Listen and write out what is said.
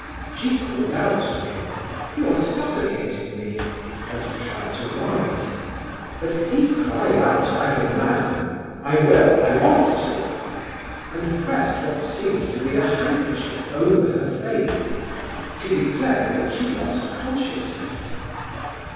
She called out to him, "You are suffocating me," and tried to rise: but he cried out like a madman: "I will, I want to," and pressed what seemed to be a handkerchief over her face. She declared that she lost consciousness.